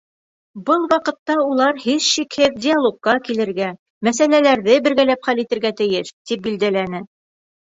Был ваҡытта улар, һис шикһеҙ, диалогка килергә, мәсьәләләрҙе бергәләп хәл итергә тейеш, — тип билдәләне.